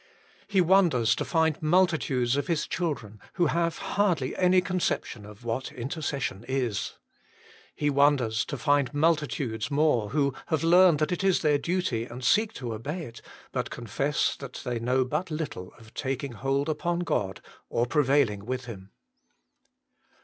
He wonders to find multitudes of His children who have hardly any conception of what intercession is. He wonders to find multitudes more who have learned that it 176 THE MINISTRY OF INTERCESSION is their duty, and seek to obey it, but confess that they know but little of taking hold upon God or prevailing with Him.